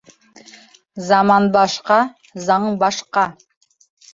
Заман башҡа, заң башҡа.